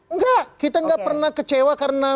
enggak kita nggak pernah kecewa karena